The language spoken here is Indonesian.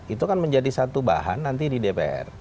itu kan menjadi satu bahan nanti di dpr